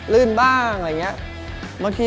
ลื่นบ้างอะไรอย่างนี้